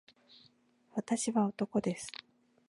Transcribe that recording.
私は男です